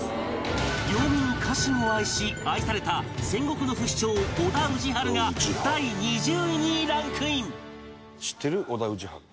領民家臣を愛し愛された戦国の不死鳥小田氏治が第２０位にランクイン